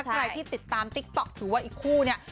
ใครที่ติดตามติ๊กต๊อกถือว่าอีกคู่เนี่ย